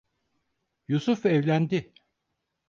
Yusuf evlendi.